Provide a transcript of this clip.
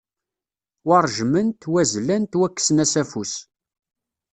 Wa ṛejmen-t, wa zlan-t, wa kksen-as afus.